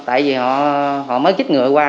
tại vì họ mới chích ngựa qua